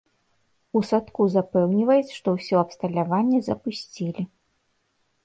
У садку запэўніваюць, што ўсё абсталяванне запусцілі.